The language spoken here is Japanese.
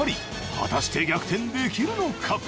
果たして逆転できるのか！？